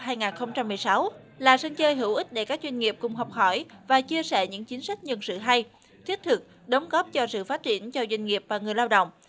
năm hai nghìn một mươi sáu là sân chơi hữu ích để các doanh nghiệp cùng học hỏi và chia sẻ những chính sách nhân sự hay thiết thực đóng góp cho sự phát triển cho doanh nghiệp và người lao động